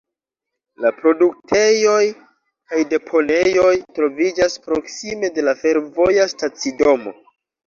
La produktejoj kaj deponejoj troviĝas proksime de la fervoja stacidomo.